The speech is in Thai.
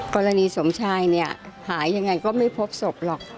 กรณีสมชายเนี่ยหายังไงก็ไม่พบศพหรอก